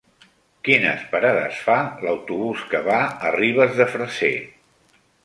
Quines parades fa l'autobús que va a Ribes de Freser?